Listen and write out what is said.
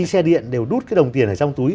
xe điện đều đút cái đồng tiền ở trong túi